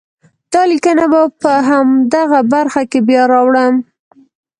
دا لیکنه به په همدغه برخه کې بیا راوړم.